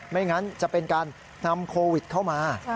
ไม่งั้นจะเป็นการนำโควิดเข้ามา